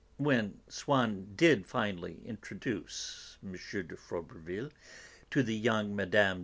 When Swann did finally introduce M. de Froberville to the young Mme.